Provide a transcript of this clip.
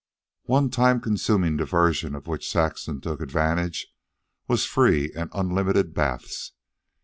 One time consuming diversion of which Saxon took advantage was free and unlimited baths.